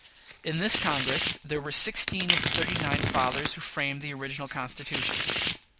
In this Congress there were sixteen of the thirty nine fathers who framed the original Constitution.